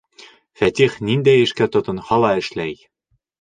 Фәтих ниндәй эшкә тотонһа ла эшләй!